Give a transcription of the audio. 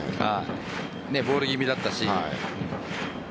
ボール気味だったし。